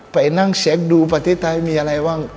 ไปนั่งเช็คดูประเทศไทยมีอะไรบ้าง